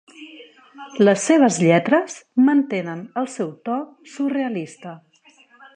Les seves lletres mantenen el seu to surrealista.